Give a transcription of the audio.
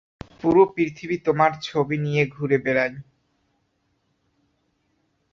পুরো পৃথিবী তোমার ছবি নিয়ে ঘুরে বেড়াই।